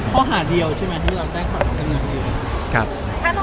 ข้อหาเดียวใช่ไหมที่เราแจ้งคำขอบคดีอยู่